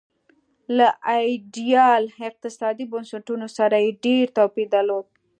له ایډیال اقتصادي بنسټونو سره یې ډېر توپیر درلود.